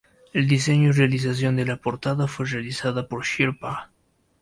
El diseño y realización de la portada fue realizada por Sherpa.